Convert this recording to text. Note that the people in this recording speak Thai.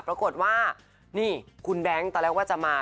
ปรากฏว่านี่คุณแบงค์ตอนแรกว่าจะมา